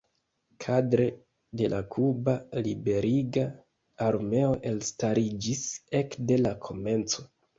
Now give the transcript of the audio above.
Kadre de la Kuba Liberiga Armeo elstariĝis ekde la komenco.